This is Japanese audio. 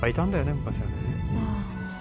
昔はね」